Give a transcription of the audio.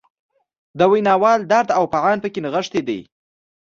د ویناوال درد او فعان پکې نغښتی دی.